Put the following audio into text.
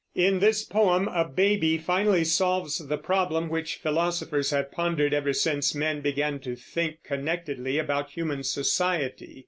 In this poem a baby finally solves the problem which philosophers have pondered ever since men began to think connectedly about human society.